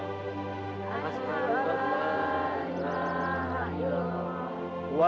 kekuatan warisan tangga